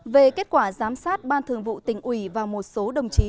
về kết quả giám sát ban thường vụ tỉnh ủy và một số đồng chí